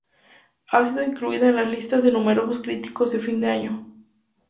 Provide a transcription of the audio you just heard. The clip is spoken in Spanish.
Ha sido incluida en las listas de numerosos críticos de fin de año.